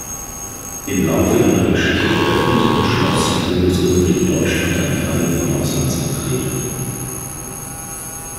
Im Laufe ihrer Geschichte öffnete und schloss die Bundesrepublik Deutschland eine Reihe von Auslandsvertretungen.